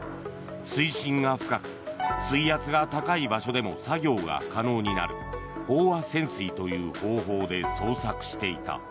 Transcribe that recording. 水深が深く、水圧が高い場所でも作業が可能になる飽和潜水という方法で捜索していた。